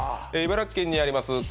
茨城県にあります